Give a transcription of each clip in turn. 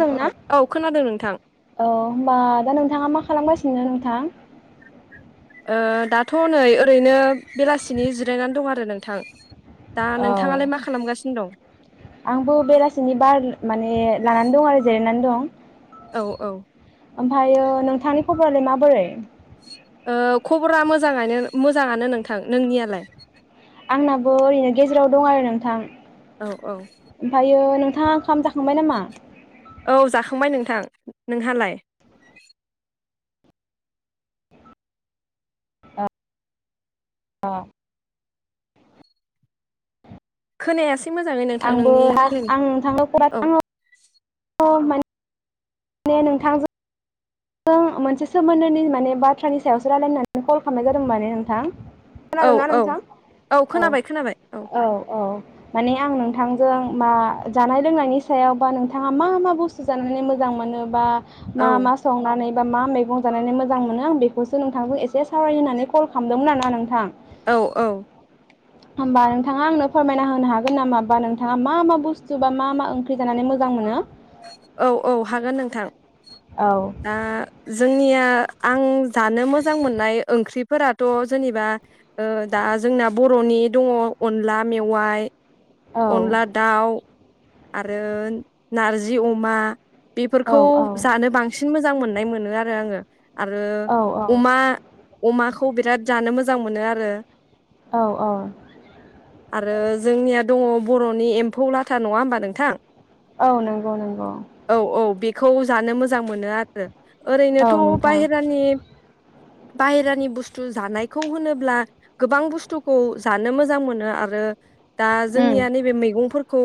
दोंना खोनादों नोंथां औ होनबा दा नों नोंथाङा मा खालामगासिनो नोंथां? ओ दाथ' नै ओरैनो बेलासिनि जिरायनानै दं आरो नोंथां। दा औ नोंथाङालाय मा खालामगासिनो दं? आंबो बेलासिनि बार माने लानानै दं आरो जिरायनानै दं औ औ ओमफ्रायायो नोंथांनि खब'आलाय माबोरै? ओ खबरा मोजाङानो मोजाङानो नोंथां नोंनियालाय? आंनाबो ओरैनो गेजेराव दं आरो नोंथां औ औ ओमफ्रायो नों थां आ ओंखाम जाखांबाय नामा? औ जाखांबाय नोंथां नोंहालाय? अ खोनायासो आंबो आं नोंथाङनो फरा औ थाङो औ मान मे नोंथांजों जों मोनसे सोमोन्दोनि माने बाथ्रानि सायावसो रायजलायनो होननानै कल खालामनाय जादों माने नोंथां। औ खोनादोंना औ नोंथां? औ खोनाबाय खोनाबाय औ माने आं नोंथांजों मा जानाय लोंनायनि सायाव बा नोंथाङा मा मा बुस्थु जानानै मोजां मोनो बा मा औ मा संनानै बा मा मैगं जानानै मोजां मोनो बेखौसो नोंथांजों एसे सावराय होनानै कल खालामदोंमोन आरो ना नोंथां औ औ होमबा नोंथाङा आंनो फोरमायना होनो हागोन नामा बा नोंथाङा मा मा बुस्थु बा मा मा ओंख्रि जानानै मोजां मोनो? औ औ हागोन नोंथां। औ। दा जोंनिया आं जानो मोजां मोननाय ओंख्रिफोराथ' जेनेबा ओ दा जोंना बर'नि दङ अनला मेवाय। औ अनला दाउ, आरो नारजि अमा औ बेफोरखौ जानो बांसिन सिन मोजां मोननाय मोनो आरो आङो। आरो अमा अमाखौ बिराद जानो मोजां मोनो आरो। औ औ आरो जोंनिया दङ बर'नि एम्फौ लाथा नङा होमबा नोंथां? औ नंगौ नंगौ। खौ जानो मोजां मोनो आरो। औ ओरैनोथ' नोंथां बाहेरानि बाहेरानि बुस्थु जानायखौ होनोब्ला गोबां बुस्थुखौ जानो मोजां मोनो आरो दा उम जोंनिया नैबे मैगंफोरखौ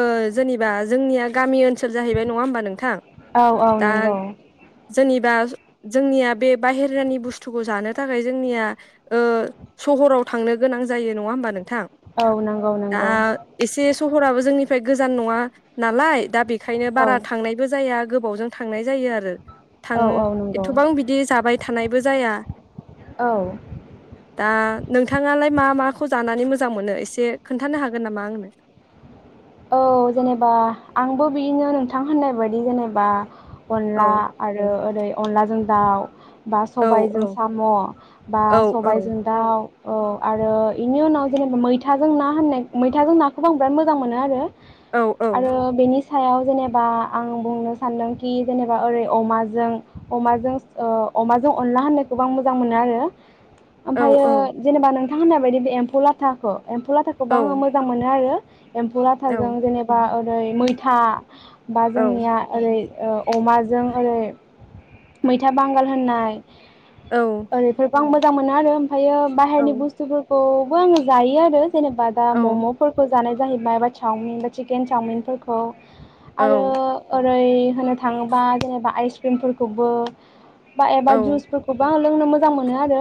ओ जोनिबा जोंनिया गामि ओन सोल जाहैबाय नङा होमबा नोंथां? औ औ दा नंगौ जोनिबा जोंनिया बे बाहेरानि बुस्थुखौ जानो थाखाय जोंनिया ओ सहराव थांनो गोनां जायो नङा होमबा नों औ नों दा एसे सहराबो जोंनि फ्राय गोजान नङा नालाय दा बे खायनो औ बारा थांनायबो जाया, गोब बावजों थांनाय जा जायो आरो थां औ औ नंगौ एथबां बिदि जाबाय थानायबो जाया। औ दा नोंथाङालाय मा माखौ जानानै मोजां मोनो एसे खोन्थानो हागोन नामा आंनो? औ जेनेबा आंबो बिदिनो नोंथां होननाय बायदि जेनेबा अनला औ आरो ओरै अनलाजों दाउ, बा औ औ सबायजों साम', बा औ औ सबायजों दाउ। औ आरो बेनि उनाव जेनेबा मैथाजों ना होननाय मैथाजों नाखौबो आं बिराद मोजां मो नो आरो। औ औ आरो बेनि स सायाव जेनेबा आं बुंनो सान्दोंखि जेनेबा ओरै अमाजों अमाजों-ओ-अमाजों अनला होननायखौबो आं मोजां मोनो आरो औ ओमफ्रायो जेनेबा नों नोंथां होननाय बायदि बे एम्फौ लाथाखौ एम्फौ औ लाथाखौबो आङो मोजां मोनो आरो एम्फौ लाथाजों जेनेबा ओ ओरै मैथा बा औ जोंनिया ओरै अमाजों ओरै मैथा बांगाल होननाय औ ओरैफोरखौ आं मोजां मोनो आरो ओम फायो बाहेरनि बुस्थुफोरखौ बो आङो जायो आरो जेनेबा दा औ मम'फोरखौ जानाय जाहैबाय बा चावमिन बा चिकेन चावमिनफोरखौ आरो ओ फ्राय होनो थाङोबा जेनेबा आइस क्रिमफोरखौबो बा औ एबा जुसफोरखौफोरखौबो लोंनो मोजां मोनो आरो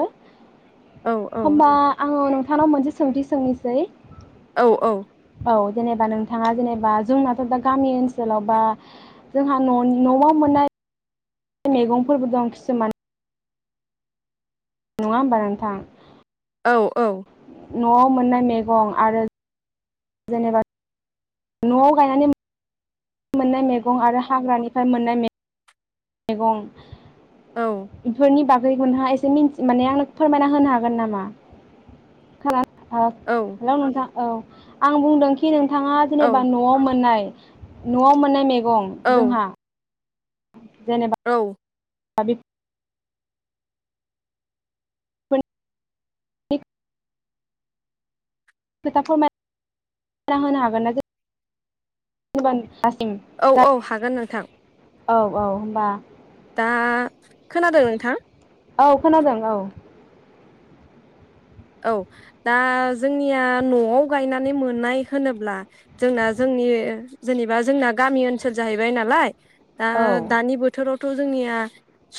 होमबा आंङो नों थांनाव मोनसे सोंथि सोंनोसै औ औ औ जेनेबा नोंथाङा जेनेबा जोंनाथ' दा गामि ओनसोलाव बा जोंहा न- न'आव मोननाय मैगंफोरबो दं खिसुमान नङा होमबा नोंथां? औ औ न'आव मोननाय मैगं आरो जेनेबा न'आव गायनानै मोननाय मैगं आरो हाग्रानिफ्राय मोननाय मै- मैगं धनि बा [unintelligible] हा एसे मिनथि- माने आंनो फोरमायना होनो हागोन नामा? [unintelligible] ओ हेलौ नोंथां औ आं बुंदोंखि नों थाङा जेनेबा न'आव मोननाय न'आव मोननाय मे- गं जोंहा जेनेबा औ। [unintelligible] बेफोरनि [unintelligible] औ औ हागोन नोंथां। औ औ होमबा। दा। खोनादों नोंथां? औ खोनादों औ। औ दा जोंनिया न'आव गायनानै मोननाय होनोब्ला जोंना जोंनि जेनेबा जोंना गामि ओनसोल जाहैबाय नालाय। दा औ दानि बोथोराव। थ' जोंनिया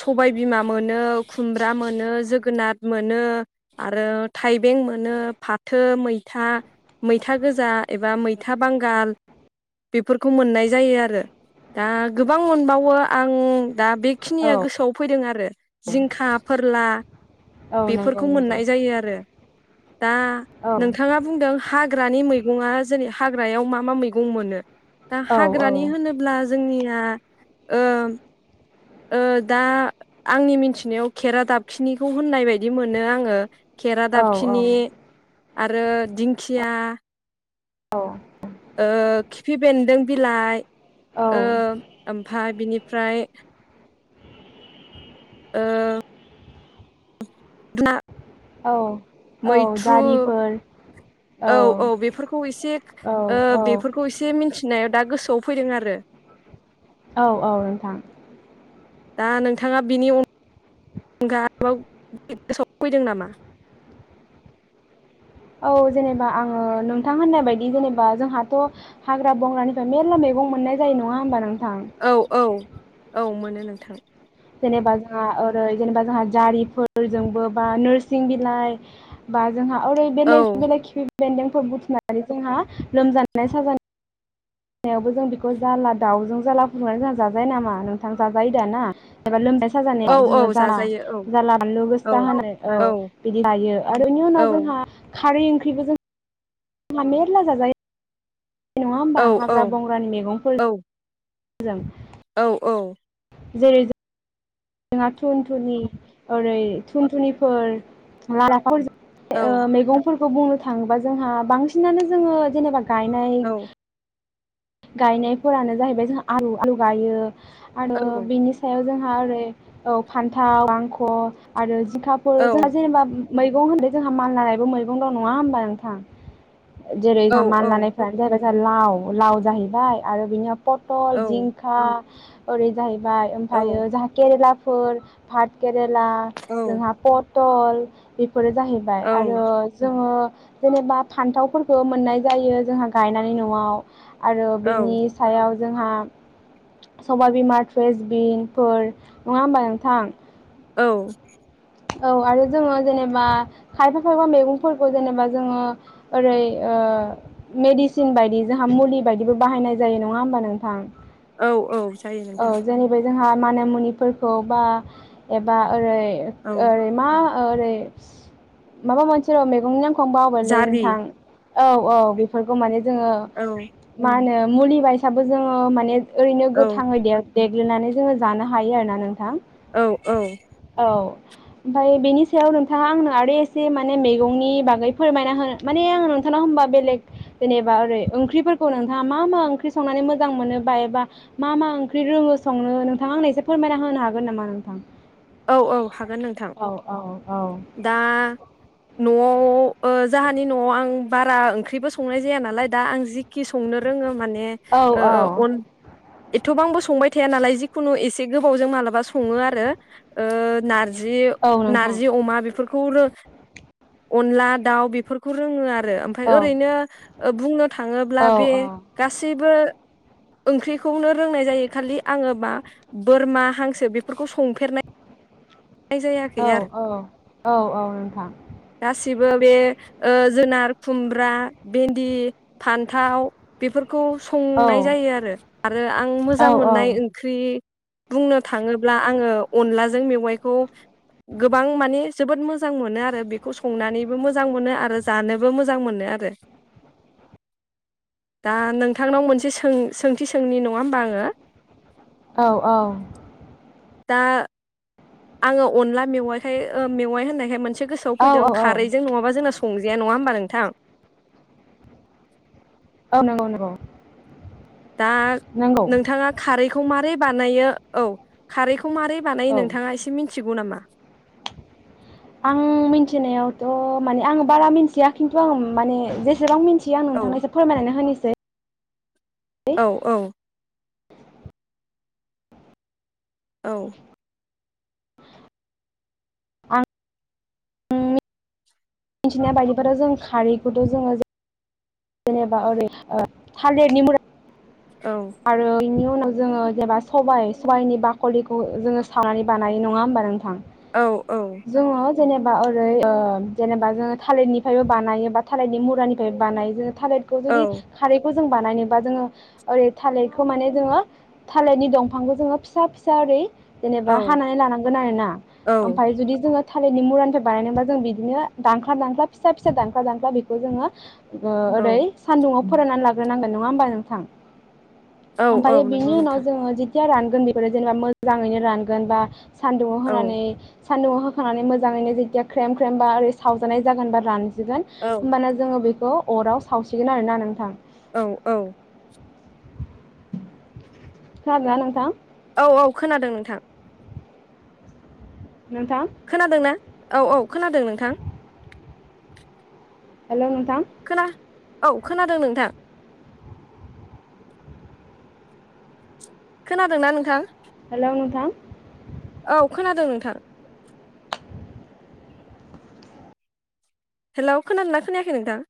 सबाय बिमा मोनो खुमब्रा मोनो जोगोनाथ मोनो आरो। थाइबें मोनो फाथो मै था मैथा गो जा एबा मैथा बांगाल बेफोरखौ मोननाय जायो आरो दा गोबां मोनबावो आं दा औ बेखिनिया गोसोआव फैदों आरो जिंखा फोरला औ नंगौ बेफोरखौ नंगौ मोननाय जायो आरो। दा औ नोंथाङा बुंदों हाग्रानि मै मैगङा [unintelligible] हाग्रायाव मा मा मैगं मोनो? दा औ औ हाग्रानि होनोब्ला जोंनिया। ओ ओ दा आंनि मिनथिनायाव खेरा दाबखिनिखौ होननाय बायदि मोनो आङो। खेेरा दा औ औ। आरो दिंखिया। ओ खि फि बेन्दों बिलाइ। ओ औ ओमफाय। बिनिफ्राय। ओ [unintelligible] औ। औ मैथ्रु जारिफोर औ औ बेफोरखौ एसे औ ओ औ बेफोरखौ एसे मिथिनायाव। दा गोसोआव फैदों आरो। औ औ नोंथां। दा नोंथाङा बिनि अनगा आरोबाव [unintelligible] गोसोआव फैदों नामा? औ जेनेबा आङो नोंथां होननाय बायदि जेनेबा जोंहाथ' हाग्रा बंग्रानिफ्राय मेरला मैगं मोननाय जायो नङा होमबा नों औ औ औ मोनो। नोंथां। जेनेबा जोंहा ओरै जेनेबा जोंहा जारिफोरजोंबो बा नोरसिं बिलाइ बा। जोंहा ओरै औ बेलेग बेले खिफि बेन्दोंफोर बुथुमनानै जोंहा लोमजानाय [inaudible] जों बेखौ जाला दाउजों जाला फुदुंनानै जोंहा जाजायो नामा नोंथां जाजायो दा ना? एबा लोम औ साजानायाव जोङो औ जा जाजायो औ जाला बानलु औ गोसा होनाय औ बिदि लायो आरो बेनि उनाव जोंहा खारै ओंख्रिबो जों माने एरला जाजायो। नङा होमबा औ औ हाग्रा बंग्रानि मैगंफोर औ मोजां औ औ जेरै जों जोंहा थुनथुनि ओरै थुनथुनिफोर लाफोर ओं मैगंफोर खौ बुंनो थाङोबा जोंहा बांसिनानो जोङो जेनेबा गायनाय गायनायफोरानो जाहैबाय जों आलु आलु गायो। आरो बेनि सायाव जों [unintelligible] औ फानथाव बांख आरो जिं थाफोर जोंहा औ जेनेबा उम मैगं होनदों जोंहा मालानायबो मैगं दं नङा होमबा नोंथां? जेरै मानलानाय फोरानो जाहैबाय लाव लाव जाहैबाय आरो बिनियाव पटल जिंखा ओरै जाय बाय ओमफायो जाहा केरेला फोर भातकेरे ला जोंहा पट टल फोरो जाहैबाय आरो जोङो जेनेबा फान्थावफोरखो मोननाय जायो जोंहा गायनानै नआव। आरो बिनि सायाव जोंहा सबाबिमा ट्रेसबिनफोर नङा होमबा नोंथां। औ औ आरो जोङो जेनेबा खायफा खायबा मैगंफोरखौ जेनेबा जोङो ओरै ओ मेडिसिन बायदि जोंहा मुलि बायदिबो बाहायनाय जायो नङा होमबा नोंथा। औ औ जायो नोंथां। जोंहा माना मुनिफोरखौ बा एबा ओरै औ ओरैमा ओरै माबा मोनसे र' मेगंनि ना [unintelligible] जारि नोंथां औ औ बेफोरखौ माने जोङो औ मा होनो मुलि बायसाबो जोङो माने ओरैनो औ गोथाङै देर देग्लिनानै जोङो जानो हायो आरोना नोंथां औ औ औ ओमफाय बेनि सायाव नोंथाङा आंनो आरो एसे माने मेगंनि बागै फोरमायना होनो माने आङो नोंथानाव होनबा बेलेग जेनेबा ओरै ओंख्रिफोरखौ नोंथाङा मा-मा ओंख्रि संनानै मोजां मोनो बा एबा मा-मा ओंख्रि रोङो संनो नोंथाङा आंनो एसे फोरमायना होनो हागोन नामा नोंथां औ औ हागोन नोंथां औ औ दा न'आव [unintelligible] ओ जोहानि न'आव आं बारा ओंख्रिबो संनाय जाया नालाय दा आं जि खि संनो रोङो माने औ ओ-ओ अन एथबांबो सं संबाय थाया नालाय जिखुनु एसे गोबावजों मालाबा सङो आरो ओ नारज जि औ नोंथां नारजि अमा बेफोरख खौरो अनला दाउ बेफोरखौ रोङो आरो रो ओमफाय औ ओरैनो ओ बुंनो थाङोब्ला औ बे गासैबो। ओंख्रिखौनो रोंनाय जायो खालि आङो मा बोरमा हांसो बेफोरखौ संफेरनाय औ जायाखै आरो औ औ औ नोंथां ओ बे ओ जोनार खुमब्रा भेन्दि फान्थाव बेफोर खौ औ संनाय जायो आरो-आरो आं औ औ मोजां मोननाय औ ओंख्रि बुंनो थाङोब्ला आङो अनलाजों मेवाइ खौ गोबां माने जोबोद मोजां मोनो आरो बेखौ संनानैबो मोजां मोन आरो जानोबो मोजां मोनो आरो दा नोंथांनाव मोनसे सों-सोंथि सोंनि नङा होमबा आङो। औ औ दा आङो अनला मेवाइखाय ओ मेवाइ होननायखाय मो से गोसोआव फैदों औ औ औ खारैजों नङाबा जोंना स संजाया नङा होमबा नोंथां नंगौ नंगौ दा नंगौ नोंथाङा खारै खौ मारै बानायो औ खारैख खौ मारै बानायो औ नोंथाङा इसे मिनथि गु नामा? आं मिनथिनायावथ' माने आं बारा मिन्थिया खिन्थु आं माने जेसेबां मिन थियो आं औ नोंथांनो एसे फोरमायनानै होनोसै। औ औ। औ। उम। मिथिनाय बायदिबाथ' जों खारैखौथ' जोङो जेनेबा ओरै ओ थालिरनि मुरा औ आरो बिनि उनाव जोङो जेबा सबाइ सबायाइनि बाखलिखौ जोङो सानानै बानायो नङा होमबा नोंथां? औ औ। जोङो जेनेबा ओरै ओ जेनेबा जोङो थालिरनिफ्रायबो बानायो बा थालिरनि मुरानिफ्रायबो बानायो जों। थालिरखौ औ जुदि खारैखौ जों बानायनोबा जोङो ओरै थालिरखौ माने जोङो थालिरनि दंफांखौ जोङो फिसा फिसा ओरै जेनेबा औ हानानै लानांगोन आरोना ओमफाय जुदि जोङो थालिरनि मुरानिफ्राय बानायनोबा जों बिदिनो दानख्ला दानख्ला फिसा फिसा दानख्ला दानख्ला बेखौ जोङो ओ ओरै औ सान्दुङाव फरायनानै लाग्रोनांगोन नङा होमबा नोंथां? औ औ ओमफायो नंगौ बिनि उनाव नोंथां जोङो जि थिया रानगोन बेफोर जेनेबा मोजाङैनो रानगोन बा सान्दुंआव औ होनानै सानदुंआव होखांनानै मोजाङैनो जेथिया ख्रेम ख्रेबा बा ओर सावजानाय जागोन बा रान जोगोन औ होमबाना जोङो बेख खौ अराव सावसिगोन आरोना नोंथां। औ औ। खोनादों ना नोंथां? औ औ खोनादों नोंथां। नोंथां। खोनादोंना औ औ खोनादों नोंथां। हेलौ नों खोना औ खोनादों नोंथां। खोनादोंना नोंथां? हेलौ नोंथां औ खोनादों नोंथां। हेलौ खोनादोंना खोनायाखै नोंथां?